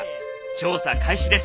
調査開始です！